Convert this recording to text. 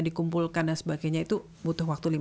dikumpulkan dan sebagainya itu butuh waktu